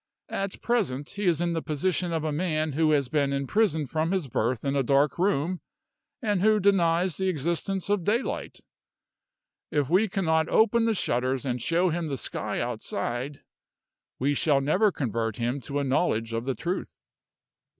At present he is in the position of a man who has been imprisoned from his birth in a dark room, and who denies the existence of daylight. If we cannot open the shutters and show him the sky outside, we shall never convert him to a knowledge of the truth."